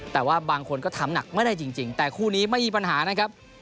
แต่ว่าบางคนก็ทำหนักไม่ได้จริงแต่คู่นี้ไม่มีปัญหานะครับ